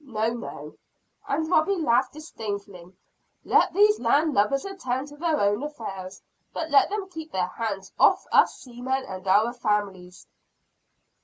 No, no," and Robie laughed disdainfully, "let these land lubbers attend to their own affairs; but let them keep their hands off us seamen and our families."